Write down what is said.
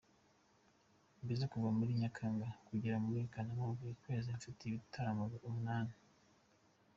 Mbese kuva muri Nyakanga kugera muri Kanama buri kwezi mfite nk’ibitaramo umunani.